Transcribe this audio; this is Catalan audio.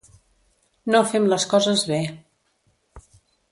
No fem les coses bé.